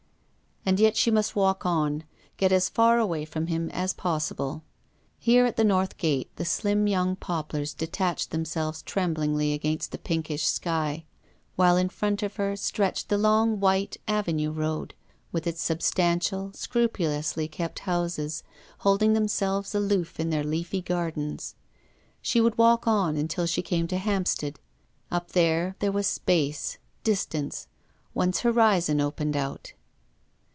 And yet she must walk on, get as far away from him as possible. Here, at the North Gate, the slim young poplars detached themselves tremblingly against the pinkish sky, while in front of her stretched the long, w r hite Avenue Eoad, with its square snug houses, holding themselves aloof in their leafy gardens. She would walk on until she came to Hampstead. Up there, there was space, distance; one's horizon opened out.